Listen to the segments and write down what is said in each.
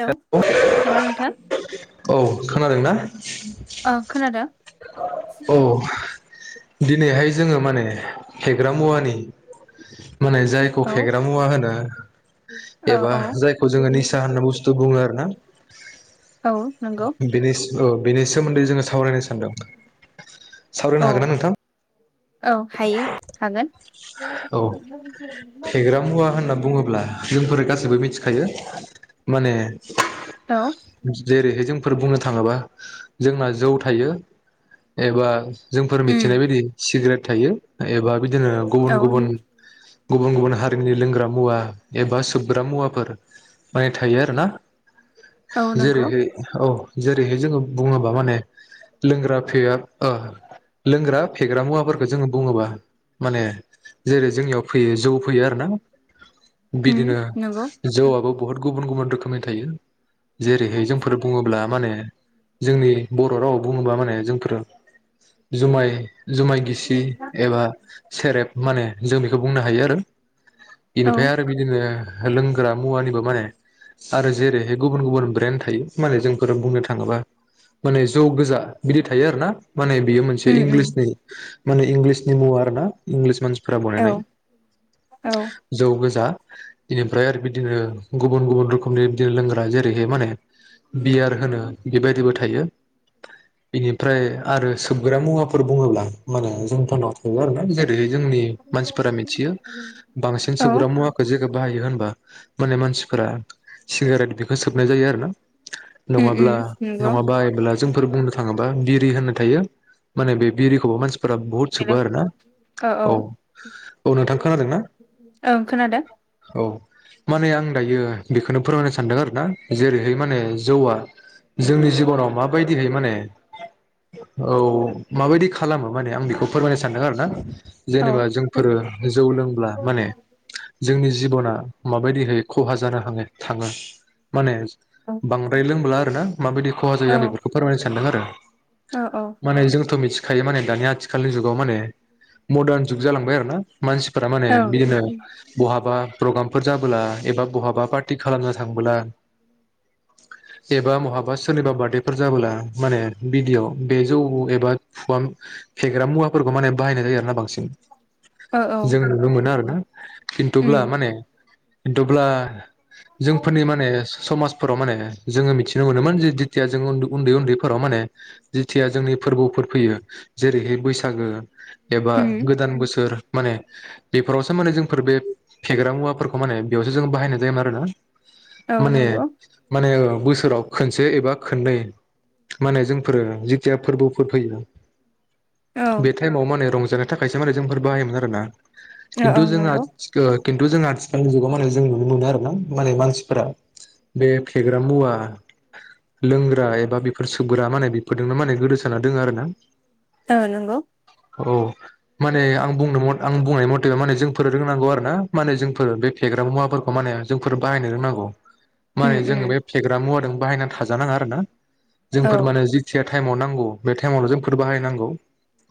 Hello hello hello नोंथां औ खोनादों ना। ओ खोनादों औ। दिनैहाय जोङो माने फेग्रा मुवानि। माने जायखौ औ फेग्रा मुवा होनो औ एबा औ जायखौ जोङो निसा होनना बुस्थु बुङो आरो ना। नोंगौ। बेनि औ। बेनि सोमोन्दै जोङो सावरायनो सानदों सावरायनो औ हागोन ना नोंथां। औ हायो हागोन औ फेग्रा मुवा होनना बुङोब्ला जोंफोर गासैबो मिथिखायो माने औ जेरैहाय जों फोर बुंनो थाङोबा जोंना जौ थायो एबा जोंफोर उम मिथिनाय बायदि सिग्रेट थायो एबा बिदिनो गुबुन औ गुबुन गुबुन गुबुन हारिनि लोंग्रा मुवा एबा सोबग्रा मुवाफोर माने थायो आरो ना औ नंगौ जेरैहाय औ जेरैहाय जोङो बुङोबा माने लोंग्रा फेया ओ लोंग्रा फेग्रा मुवाफोरखौ जोङो बुङोबा माने जेरै जोंनियाव फैयो जौ फैयो आरोना। उम बिदिनो नंगौ जौआबो बहुत गुब गुबुन गुबुन रोखोमनि थायो जेरैहाय जोंफोर बुङोब्ला माने जोंनि बर' रावाव बुङोबा माने जोंफोरो जुमाय जुमाय गिसि एबा सेरेब माने जोंनि खौ बुंनो हायो आरो। औ बेनिफ्राय आरो बिदिनो लोंग्रा मुवानिबो माने आरो जेरैहाय गुबुन गुबुन ब्रेन्ड थायो माने जोंफोर बुंनो थाङोबा माने जौ गोजा बिदि थायो आरोना माने बियो मोनसे उम उम इंलिसनि माने इंलिस दङ आरोना इंलिस मानसि फोरा औ बनायनाय औ जौ गोजा इनिफ्राय आरो बिदिनो गुबुन गुबुन रोखोमनि बिदिनो लोंग्रा जेरैहाय माने बियार होनो बेबायदिबो थायो बेनिफ्राय आरो सोबग्रा मुवाफोर बुङोब्ला माने जोंफोरनाव दङ आरोना जेरै जोंनि मानसिफोरा मिथियो बांसिन औ सोबग्रा मुवाखौ जोङो बाहायो होनबा माने मानसिफोरा सिगारेट बेखो सोबनाय जायो आरोना‌। उम नङाब्ला उम नंगौ नङाबाब्ला जोंफोर बुंनो थाङोबा बिर रि होननाय थायो माने बिरिखौबो मानसिफोरा बुहुत हेल' सोबो आरोना औ औ औ नोंथां खोनादोंना ओं खोनादो औ माने आं दायो बेखोनो फोरमायनो सानदों आरोना जेरैहाय माने जौआ जोंनि जिबनाव माबायदिहै माने औ माबायदि खालामो माने आं बेखौ फोरमायनो सानदों आरोना। औ जेनेबा औ जोंफोरो जौ लोंब्ला माने जोंनि जिब'ना माबायदिहाय खहा जानो हाङो थाङो माने बांद्राय लोंब्ला [unintelligible] माबायदि खहा औ जायो आं बेफोरखौ फोरमायनो सानदों आरो। औ औ माने जोंथ' मिथि थायो माने दानि आथि खालनि जुगाव माने मदार्न जुग जालांबाय आरोना। मानसिफोरा माने औ बिदिनो बहाबा प्रग्राम फोर जाबोला एबा बहाबा पार्टि खालामनो थांबोला एबा बहाबा सोरनिबा बार्डेफोर जाबोला माने बिदियाव बे जौ एबा फुवाम फेग्रा मुवाफोरखौ माने बाहायनाय जायो आरोना बांसिन। औ जों नुनो मोनो आरो ना उम खिनथुब्ला माने खिनथुब्ला जोंफोरनि माने समाजफोराव माने जोङो मिथिनो मोनोमोनजे जेथिया जों उन्दै उन्दैफोराव माने जेथिया जोंनि फोरबोफोर फैयो जेरैहाय बैसागो एबा उम गोदान बोसोर माने बेफोरावसो माने जोंफोर बे फेग्रा मुवाफोरखौ माने बेयावसो जों बाहायनाय जायोमोन आरोना। औ माने नंगौ माने बोसोराव खोनसे एबा खोननै माने जोंफोरो जिथिया फोरबोफोर फैयो औ बे टाइमाव माने रंज नि थाखायसो मारै जोंफोर बाहायोमोन आरोना औ खिन्थु औ जोंहा नंगौ खिन्थु जोंहा आथिखालनि जुगाव माने जों नुनो मोनो आरो ना। माने मानसिफोरा बे फेग्रा मुवा लोंग्रा एबा बेफोर सुग्रा माने बेफोरजोंनो माने गोदोसोना दोङो आरो ना? ओ नोंगौ। औ माने आं बुंनो आं बुंनाय मथेब माने जोंफोर रोंनांगौ आर ना माने जोंफोर बे फेग्रा मुवाफोरखौ माने जोंफोर बाहायनो रोंनांगौ। माने उम जोङो उम बे फेग्रा मुवा दों बाहायनानै थाजानाङा आरो ना। औ जोंफोर माने जिथिया। टाइमाव नांगौ बे टाइमावल' जों फोर बाहायनांगौ।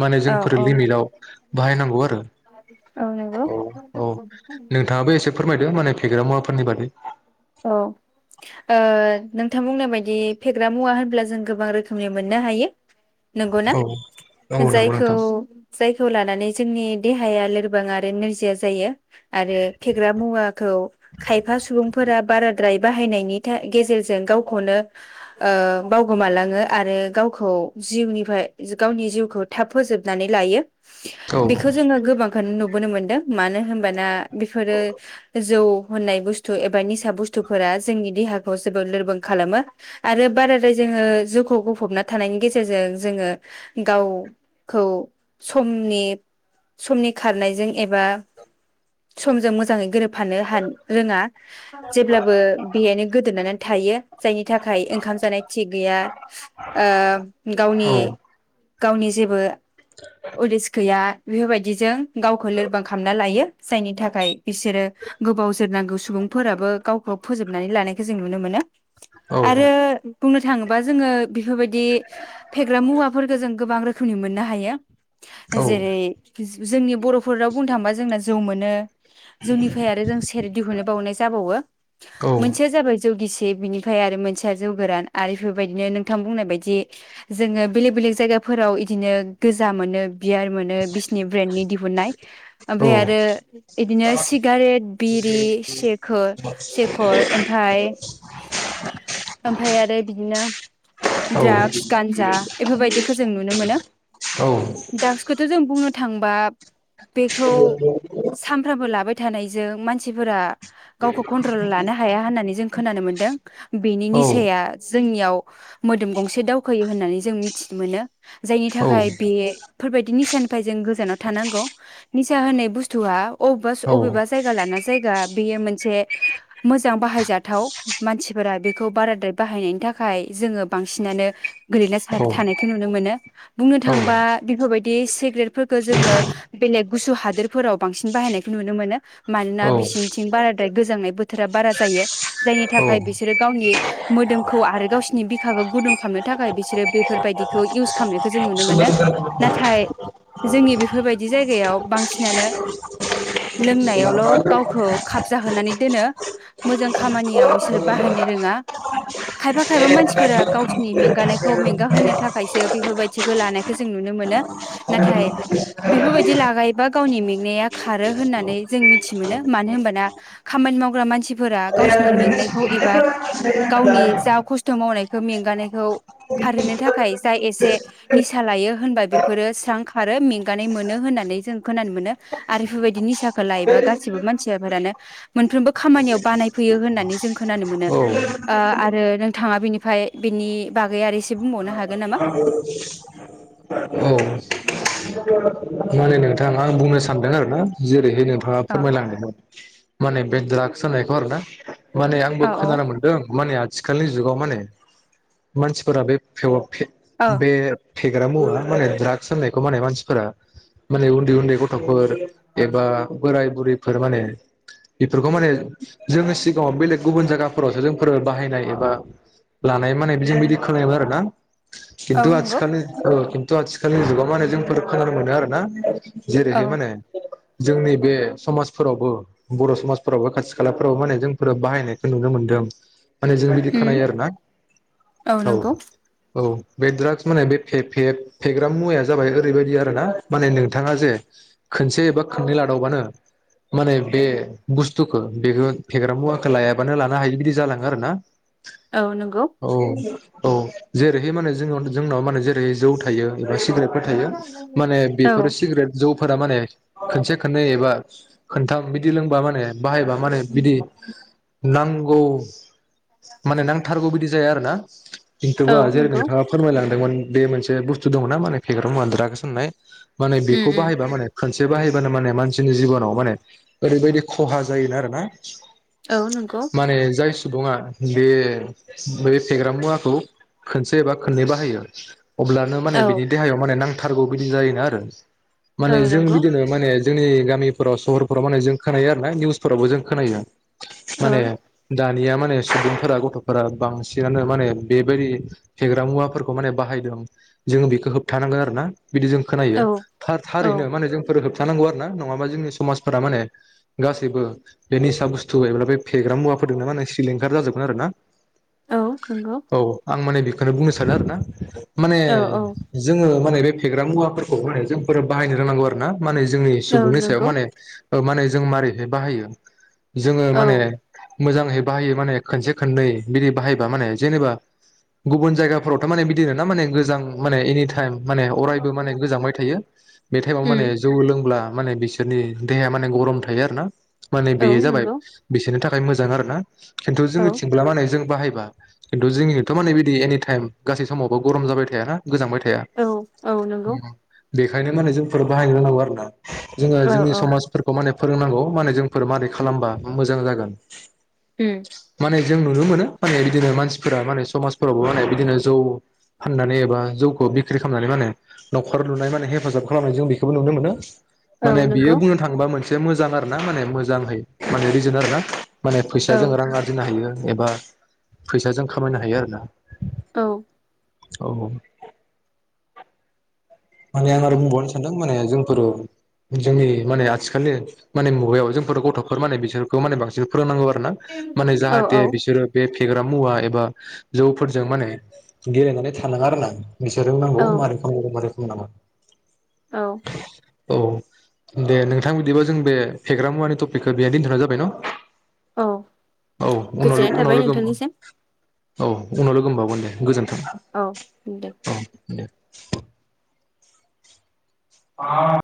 माने औ जोंफोर औ लिमिटआव बाहायनांगौ आरो, औ औ औ नोंथाङाबो एसे फोरमायदों माने फेग्रा मुवाफोरनि बादै। औ ओ नोंथां बुंनाय बायदि फेग्रा मुवा होनब्ला जों गोबां रोखोमनि मोननो हायो। नंगौ ना औ औ नंगौ जायखौ नोंथां जाय थौ लानानै जोंनि देहाया लोरबां आरो नोरजिया जायो। आरो फेग्रा मुवाखौ खायफा सुबुं बाराद्राय बाहायनायनि गेजेरजों गावखौनो बावगोमालाङो आरो गावखौ जिउनिफ्राय गावनि। औ बेखौ जोङो गोबांखौनो नुबदों। नुनो मोन्दों मानो होनबा बेफोरो जौ होननाइ बुसथु निसा सुबुंफोरा जोंनि देहाखौ जेबोद लोरबां खालामो, आरो बारदाइ जोओ जङो जौखौ गफबना थानायनि गेजेरजों जोङ गावखौ सनि खारनायजों एबा मोजाङै गोरोब। फानो ह जेब्लाबो बे [inaudible] थायो। जायनि थाखाय ओंखाम जानाय थि गैया, अ गावनि औ गावनि जेबो उदिस गैया। बेफोरबायदिजों गावखौ लोरबां खालामना लायो जायनि थाखाय। बिसोरो गोबाव जोरनांगौ सुबुं फोराबो गावखौ फोजोबनानै लानायखौ जों नुनो मोनो। औ आरो बुंनो थाङोबा जोङो बेफोरबायदि फेग्रा मुवाफोरखौ जों गोबां रोखोमनि मोननो हायो। औ जेरै जोंनि बर' फुराव बुंनो थाङोब्ला जोंना। जौ मोनो। जोंनिफ्राय आरो जों सेर दिहुननो बावनाय जाबावो औ मोनसेया जाबाय जौगिसि। बिनिफ्राय आरो मोनसेया जौ गोरान आरो बेफोरबायदिनो नोंथां बुंनाय बायदि जोङो बेलेक बेलेग जायगाफोराव इदिनो गोजा मोनो। बियार मोनो बिसिनि ब्रेन्डनि दिहुननाय ओमफ्राय आरो बिदिनो सि गारेट बिरि सेक सेखर ओमफाय ओमफाय आरो बिदिनो द्राग्स गान्जा एफोरबायदिखौ जों नुनो मोनो। औ खौथ' जों बुंनो थांबा बेखौ सानफ्रामबो लाबाय थानायजों मानसिफोरा गावखौ कन्ट्रल लानो हाया होननानै जों खोनानो मोन्दों बेनि निसाया जोंनि याव मोदोम गंसे दावखोयो होननानै जों मिथिनो मोनो जायनि थाखाय बे फोरबायदि निसानि फाय जों गोजानाव थानांगौ निसा होननाय बुस्थुआ अबा अबेबा जायगा लाना जायगा बेयो मोन से मोजां बाहायजाथाव मानसिफोरा बेखौ बाराद्राय बाहायनायनि थाखाय जोङो बांसिनानो गोलैसोना थानायखौ नुनो मोनो। बुंनो थांबा बेफोरबायदि सिग्रेटफोरखौ जोङो बेलेग गुसु हादोरफोराव बांसि बाहायनायखौ नुनो मोनो। मानोना बेसिनिथिं बारा ओमफ्राय गोजांनाय बोथोरा बारा जायो जायनि थाखाय बिसोरो गावनि मोदोमखौ आरो गावसिोरनि बिखाखौ गुदुं खालामनो थाखाय बिसोरो बेफोरबायदिखौ इउस खालामनायखौ जों नुनो मोनो नाथाय जोंनि बेफोरबायदि जायगायाव बांसिनानो लोंनायावल' गावखौ होनानै दोनो मोजां खामानियाव इसोर बाहायनो रोङा। खायफा खायफा मानसिफोरा गावसिनि मेंगानायखौ मेंगाहोनो थाखायसो बेफोरबायदिखौ लानाय खौ जों नुनो मोनो। नाथाय बेफोरबायदि लागायोबा गावनि मेंनाया खारो होननानै जों मिथि मोनो मानो होनबाना खामानि मावग्रा मानसि फोर गावसिोरनि मेंनायखौ एबा गावनि जा खस्थ' मावनाय हो मेंगानायखौ खारहोनो थाखाय जा एसे निसा लायो होनबा बेफोरो स्रां खारो मेंगानाय मोनो होननानै जों खोनानो मोनो आरो बेफोरबायदि निसाखौ लायोबा गासिबो मानसिफोरानो मोनफ्रोमबो खामानियाव बानायफैयो होननानै जों खोनानो मोनो ओ आरो नोंथाङा बिनिफ्राय बेनि बागै आरो एसे बुंबावनो हागोन नामा? बिथांआ बुंनो सानदों आरो ना जेरै नोंथाङा अ फोरमायलांओ माने बे द्रा गस सान्नायखौ आरो ना। माने आंबो औ खोनानो मोनदों माने आथिखालि जुगाव माने मानसिफोरा बे खौ फे औ बे फेग्रा मुआ माने द्रागस होननायखौ माने मानसिफोरा माने उन्दै उन्दै गथ'फोर एबा बोराय बुरैफोर माने बेफोरखौ माने जोंनि सिगाङाव बेलेग गुबुन जायगाफोरावसो जोंफोरो बाहायनाय एबा लानाय माने बिदि खोनायोमोन आरो ना। औ खिनथु नंगौ आथिखालि ओ थ' आथिखालनि जुगाव माने जोंफोर खोनानो मोनदों आरो ना। औ जेरैहाय माने जोंनि बे समाजफोरावबो बर' समाजफोरावबो खाथि खालाफोरावबो माने जोंफोर बाहायनायखौ नुनो मोनदों। माने जों बिदि उम खोनायो आरोना औ। औ बे दड्राग्स माने बे फे-फे-फेग्रा मुवाया जाबाय ओरैबायदि आरो ना माने नों थाङा जे खोनसे एबा खोननै लादावबानो माने बे बुस्थुखौ बेखौ फेग्रा मुवाखौ लायाबानो लानो हायि बिदि जालाङो आरो ना। औ नंगौ। औ औ जेरैहाय माने जोंन जोंनाव माने जेरैहाय जौ थायो। एबा सिग्रेटफोर थायो माने औ बे जौफोरा माने खोनसे खोननै एबा खोनथाम बिदि लोंबा माने बाहायबा माने बिदि नांगौ। माने नांथारगौ बिदि जाया आरो ना। [inaudible] औ खिन्थुबा जेरै नंगौ नोंथाङा फोरमायलांदोंमोन। बे मोनसे बुस्थु दङना माने फेग्रा मुवा ड्राकस होननाय। माने उम बेखौ उम बाहायबा माने खोनसे ए बाहैबानो माने मानसिनि जिबनाव माने ओरैबायदि खहा जायोना आरो ना। औ नंगौ। सुबुङा बे बै फेग्रा मुवाखौ खनसे एबा खननै बाहायो। अब्लानो माने औ बिनियाव माने नां थारगौ बिदिनो जायोना आरो। [inaudible] औ माने जों नंगौ बिदिनो माने जोंनि गामिफोराव सहरफोराव माने जों खोनायो आरो ना निउसफोरावबो जों खोनायो। औ माने दा निया माने स्टुदेन्टफोरा गथ'फोरा बांसिनानो माने बेबायदि फेग्रा मुवाफोरखौ माने बाहायदों जोङो बेखौ होबथानांगोन आरो ना। बिदि जों खोनायो। औ थार थारैनो औ माने जोंफोर गो थानांगौ आरोना नङाबा जोंनि समाजफोरा माने गासैबो बे निसा बुस्थु एबा बे फेग्रा मुवाफोरदोंनो माने सिलिंखार जाजोबगोन आरोना। औ नंगौ औ आं माने बे बेखौनो बुंनो सानो आरोना माने औ जोङो माने बे फेग्रा मुवाफोरखौ अराय जों फोर बाहायनो रोंनांगौ आरोना माने जोंनि औ सुबुंनि सायाव नंगौ माने ओ माने जों मारैहाय बाहायो जोङो औ माने मोजाङै बाहायो माने खोनसे खोननै बिदि बाहायबा माने जेनेबा गुबुन जायगाफोरावथ' माने बिदिनोना माने गोजां माने एनि टाइम माने अरायबो माने गोजांबाय थायो। बे टाइमाव उम माने जौ लों ब्ला माने बिसोरनि देहाया माने गरम थायो आरोना। माने औ बेयो जाबाय नंगौ बिसोरनि था बाय मोजां आरोना। खिन्थु औ जोंनिथिंब्ला मानो जों बाहाय बा खिन्थु जों एथ' माने बिदि एनि टाइम गासै समावबो गरम जाबाय थायाना गोजांबाय थाया औ औ नोंगौ बेखायनो माने जोंफोर बाहायनो रोंनांगौ आरोना। जोङो औ जोंनि औ समाजफोरखौ माने फोरोंनांगौ माने जोंफोर मारै खालामबा मोजां जागोन उम माने जों नुनो मोनो माने बिदिनो मानसिफोरा माने समाजफोरावबो माने बिदिनो जौ फाननानै एबा जौखौ बिक्रि खालामनानै माने न'खर लुनाय माने हेफाजाब खालामनाय जों बेखौबो नुनो मोनो। औ माने बियो नंगौ बुंनो थाङोबा मोनसे बे मोजां आरो ना माने मोजांहै माने रिजोन आरो ना माने औ फैसाजों रां आरजिनो हायो। एबा फैसाजों खामायनो हायो आरो ना औ औ औ माने आं आरो बुंबावनो सानदों माने जों [unintelligible] जोंनि माने आथिखालनि माने मुगायाव जोंफोर गथ'फोर माने बिसोरखौ माने बांसिन फोरोंनांगौ। [unintelligible] माने जाहाथे बिसोरो बे पि फेग्रा मुवा एबा जौफोरजों माने गेलेनानै थानाङा आरोना? बिसोरो बुंनांगौ औ मारै खांनांगौ मारै [unintelligible] औ औ दे नोंथां बिदिबा जों बे फेग्रा मुवानि टपिकखौ बेनो दोनथ'नाय जाबाय न? औ औ उनाव गोजोननाय उनाव थाबाय लोगो नोंथांनिसिम औ उनाव लोगो मोनबावगोन दे गोजोन औ दे [inaudible] आ